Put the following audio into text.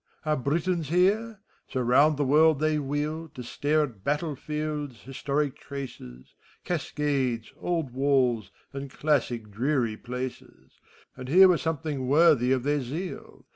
Are Britons heref So round the world they wheel, To stare at battle fields, historic traces. Cascades, old walls, and classic dreary places; And here were something worthy of their zeal.